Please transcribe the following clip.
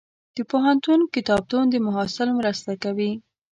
د پوهنتون کتابتون د محصل مرسته کوي.